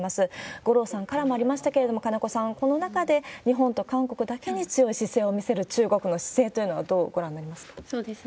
五郎さんからもありましたけれども、金子さん、この中で日本と韓国だけに強い姿勢を見せる中国の姿勢というのは、どうご覧になりますか？